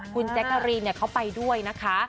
คุณแจ๊กกะรีนเขาไปด้วยนะคะ